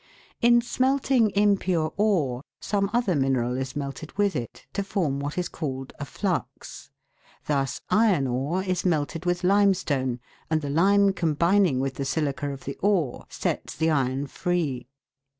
In smelting impure ore some other mineral is melted with it, to form what is called a flux. Thus iron ore is melted with limestone, and the lime combining with the silica of the ore, sets the iron free.